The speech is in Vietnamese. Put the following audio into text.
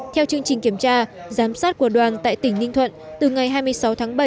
theo chương trình kiểm tra giám sát của đoàn tại tỉnh ninh thuận từ ngày hai mươi sáu tháng bảy